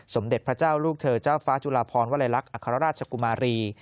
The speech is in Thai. สมเด็จพระเจ้าลูกเธอเจ้าฟ้าจุลาพรวลัยลักษณ์อัครราชกุมารี